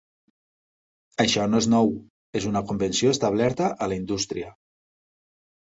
Això no és nou, és una convenció establerta a la indústria.